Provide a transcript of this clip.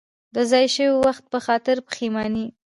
د ضایع شوي وخت په خاطر پښېماني.